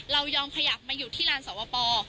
เรายอมขยับมาอยู่ที่ลานสวป